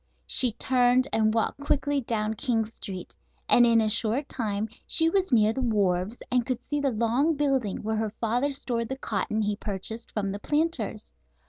She turned and walked quickly down King Street, and in a short time she was near the wharves and could see the long building where her father stored the cotton he purchased from the planters.